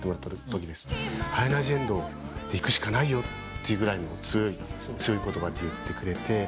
「アイナ・ジ・エンドでいくしかないよ」って強い言葉で言ってくれて。